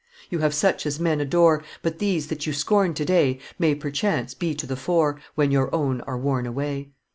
"You have such as men adore, But these that you scorn to day May, perchance, be to the fore When your own are worn away.